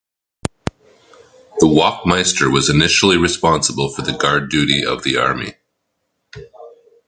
The "Wachtmeister" was initially responsible for the guard duty of the army.